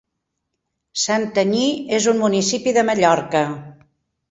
Santanyí és un municipi de Mallorca.